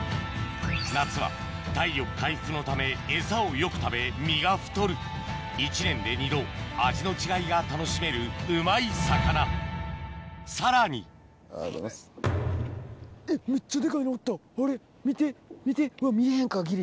夏は体力回復のためエサをよく食べ身が太る一年で二度味の違いが楽しめるうまい魚さらにあれ見て見てうわ見えへんかギリ。